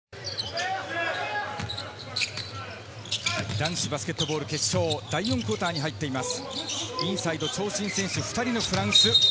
男子バスケットボール決勝、第４クオーターに入っています。